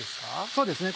そうですね